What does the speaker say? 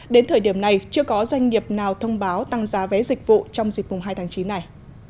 đến thời điểm này chưa có doanh nghiệp nào thông báo tăng giá vé dịch vụ trong dịp mùng hai tháng chín này